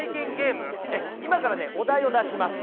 今からねお題を出します。